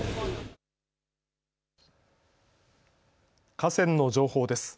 河川の情報です。